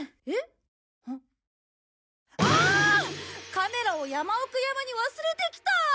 カメラを矢麻奥山に忘れてきた！